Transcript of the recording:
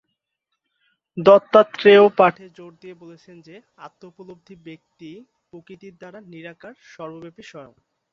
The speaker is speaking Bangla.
দত্তাত্রেয় পাঠে জোর দিয়ে বলেছেন যে, আত্ম-উপলব্ধি ব্যক্তি "প্রকৃতির দ্বারা, নিরাকার, সর্বব্যাপী স্বয়ং"।